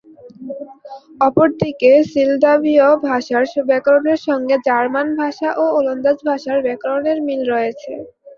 অপরদিকে সিলদাভীয় ভাষার ব্যাকরণের সঙ্গে জার্মান ভাষা ও ওলন্দাজ ভাষার ব্যাকরণের মিল রয়েছে।